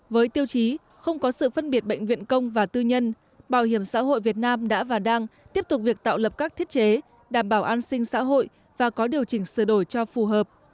với tiêu chí không có sự phân biệt bệnh viện công và tư nhân bảo hiểm xã hội việt nam đã và đang tiếp tục việc tạo lập các thiết chế đảm bảo an sinh xã hội và có điều chỉnh sửa đổi cho phù hợp